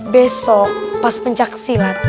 besok pas pencaksilan